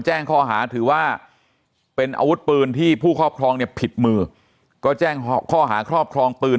แจ้งข้อหาถือว่าเป็นอาวุธปืนที่ผู้ครอบครองเนี่ยผิดมือก็แจ้งข้อหาครอบครองปืน